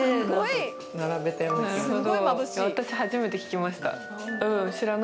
私初めて聞きました。